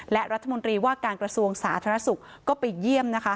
และรัฐมนตรีว่าการกระทรวงสาธารณสุขก็ไปเยี่ยมนะคะ